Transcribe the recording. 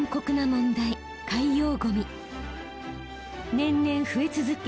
年々増え続け